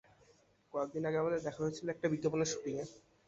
কয়েকদিন আগে আমাদের দেখা হয়েছিল একটা বিজ্ঞাপনের শুটিংয়ে।